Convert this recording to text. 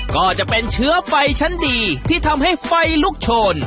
ก็จะเป็นเชื้อไฟชั้นดีที่ทำให้ไฟลุกโชน